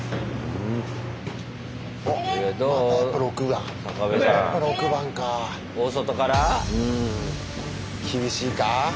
うん厳しいかあ